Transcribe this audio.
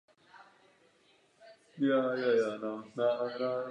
Tým Ovocné Báze postoupil poprvé a v lize se udržel.